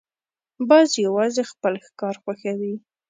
باز یوازې خپل ښکار خوښوي